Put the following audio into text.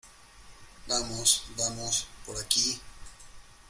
Vamos, vamos. Por aquí .